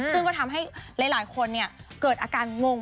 ซึ่งก็ทำให้หลายคนเกิดอาการงง